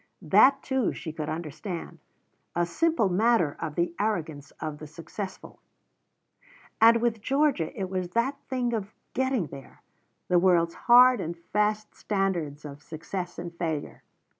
That too she could understand a simple matter of the arrogance of the successful. And with Georgia it was that thing of "getting there" the world's hard and fast standards of success and failure.